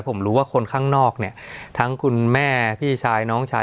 ผมรู้ว่าคนข้างนอกเนี่ยทั้งคุณแม่พี่ชายน้องชาย